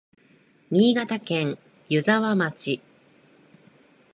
新潟県湯沢町